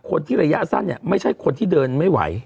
คนที่ระยะสั้นเนี่ยไม่ใช่คนที่เดินไม่ไหว